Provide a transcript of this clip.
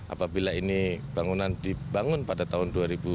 apabila ini bangunan dibangun pada tahun dua ribu sebelas